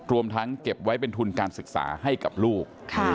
รวมทั้งเก็บไว้เป็นทุนการศึกษาให้กับลูก